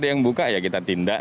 ada yang buka ya kita tindak